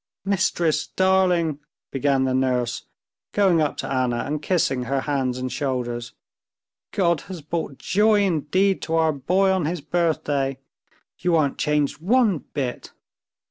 "Mistress, darling!" began the nurse, going up to Anna and kissing her hands and shoulders. "God has brought joy indeed to our boy on his birthday. You aren't changed one bit."